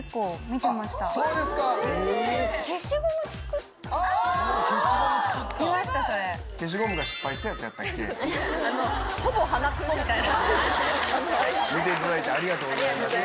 見ていただいてありがとうございます。